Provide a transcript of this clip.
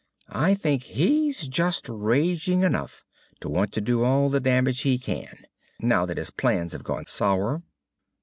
I think he's just raging enough to want to do all the damage he can, now that his plans have gone sour."